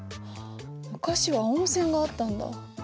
昔は温泉があったんだ。